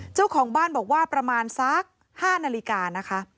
เจ้าของบ้านบอกว่าประมาณสัก๕นาฬิกานะคะ